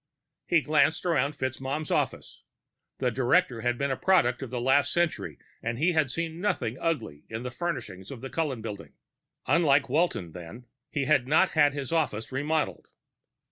He glanced around FitzMaugham's office. The director had been a product of the last century, and he had seen nothing ugly in the furnishings of the Cullen Building. Unlike Walton, then, he had not had his office remodeled.